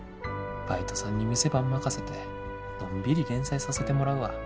バイトさんに店番任せてのんびり連載させてもらうわ。